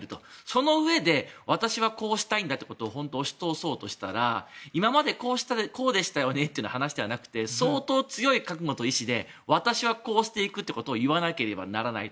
そのうえで、私はこうしたいと押し通そうとしたら今までこうでしたよねという話ではなくて相当強い覚悟と意思で私はこうしていくということを言わなければならない。